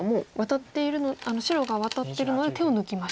白がワタってるので手を抜きましたか。